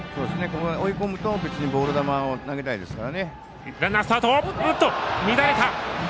追い込むとボール球を投げたいですから。